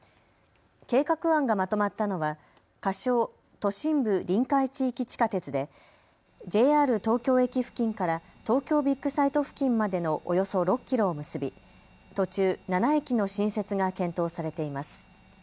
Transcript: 計画案がまとまったのは仮称、都心部・臨海地域地下鉄でＪＲ東京駅付近から東京ビッグサイト付近までのおよそ６キロを結び途中、７駅の新設が検討されています。